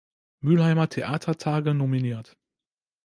Mülheimer Theatertage nominiert.